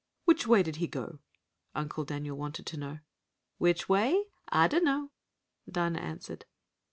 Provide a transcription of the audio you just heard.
"Which way did he go?" Uncle Daniel wanted to know. "Which way? I dunno," Dinah answered.